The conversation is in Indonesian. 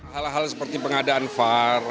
hal hal seperti pengadaan var